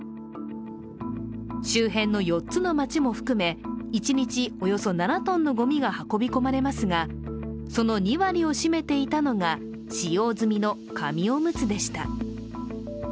周辺の４つの町も含め、一日およそ７ｔのごみが運び込まれますが、その２割を占めていたのが使用済みの紙おむつでした。